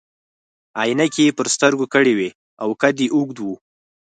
عینکې يې پر سترګو کړي وي او قد يې اوږد وو.